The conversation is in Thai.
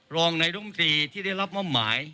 รองนายรมตรีที่ได้รับมอบหมาย